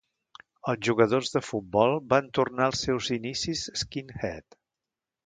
Els jugadors de futbol van tornar als seus inicis skinhead.